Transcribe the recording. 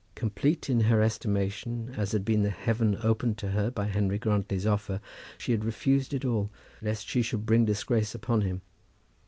Complete in her estimation as had been the heaven opened to her by Henry Grantly's offer, she had refused it all, lest she should bring disgrace upon him.